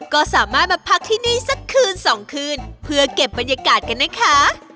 ก็สามารถมาพักที่นี่สักคืนสองคืนเพื่อเก็บบรรยากาศกันนะคะ